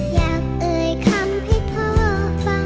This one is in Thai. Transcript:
เอ่ยคำให้พ่อฟัง